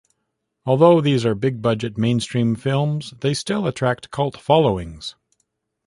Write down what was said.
Although these are big budget, mainstream films, they still attract cult followings.